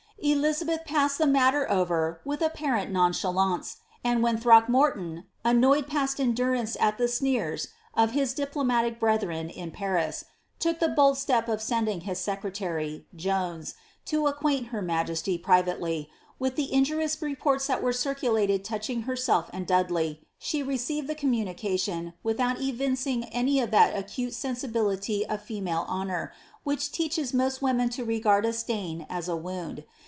Elizabeth passed the matter over with apparent nonchaJancf, and when Throckmorton, annoyed past endurance at the sneers of his diplo matic brethren in Paris, took the bold step of sending his secretary, Jones, to acquaint her majesty, privately, with the injurious reports that were circulated touching herself and Dudley, she received the commu nication without evincing any of that acute sensibility to female honour, which teaches most women to regard a stain as a wound.